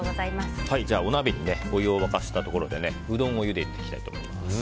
お鍋にお湯を沸かしたところでうどんをゆでていきたいと思います。